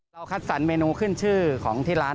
คัดสรรเมนูขึ้นชื่อของที่ร้าน